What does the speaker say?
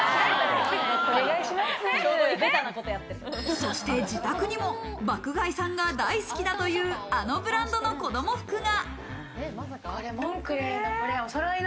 そして自宅にも爆買いさんが大好きだというあのブランドの子供服が。